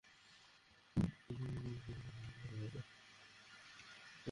তোমার বাবা আমাকে এগুলো পিছনে ফেলে আসতে সাহায্য করেছে।